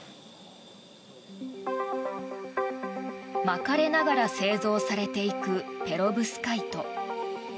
巻かれながら製造されていくペロブスカイト。